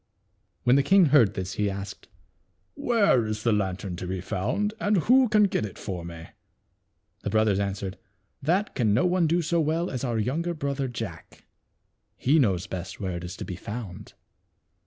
When the king heard this he asked, " Where is the lantern to be found, and who can get it for me ?" The brothers answered, " That can no one do so well as our younger brother, Jack ; he knows best where it is to be found."